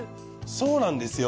そうなんですよ。